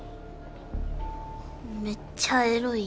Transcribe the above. めっちゃエロい。